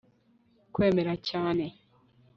Kwemera cyane